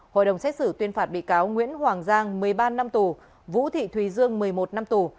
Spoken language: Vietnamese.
hội đồng xét xử tuyên phạt bị cáo nguyễn hoàng giang một mươi ba năm tù vũ thị thùy dương một mươi một năm tù